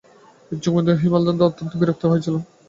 যোগেন্দ্র হেমনলিনীর ব্যবহারে অত্যন্ত বিরক্ত হইয়াছিল।